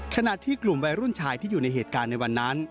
ขณะที่กลุ่มวัยรุ่นชายที่อยู่ในเหตุการณ์ในวันนั้น